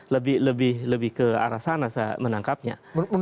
lebih ke arah sana saya menangkapnya